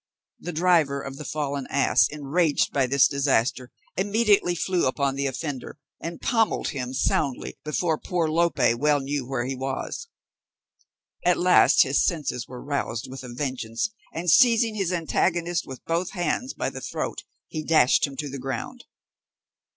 The driver of the fallen ass, enraged by this disaster, immediately flew upon the offender, and pommelled him soundly before poor Lope well knew where he was. At last, his senses were roused with a vengeance, and seizing his antagonist with both hands by the throat, he dashed him to the ground.